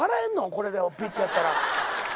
これでピッてやったら。